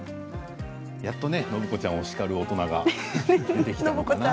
やっとね暢子ちゃんをしかる大人が出てきたのかな。